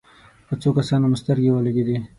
په څو کسانو مو سترګې ولګېدې.